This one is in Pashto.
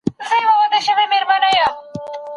که انلاین زده کړه وي، نو دا ارزونه سخته وي.